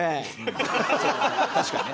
確かにね。